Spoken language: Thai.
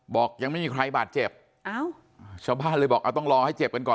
ยังไม่มีใครบาดเจ็บอ้าวชาวบ้านเลยบอกเอาต้องรอให้เจ็บกันก่อน